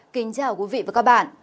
kính chào quý vị và các bạn